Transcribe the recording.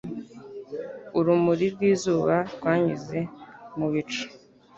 Urumuri rw'izuba rwanyuze mu bicu.